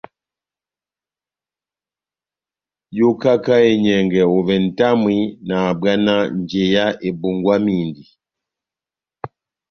Yokaka enyɛngɛ ovɛ nʼtamwi nahabwana njeya ebongwamindi.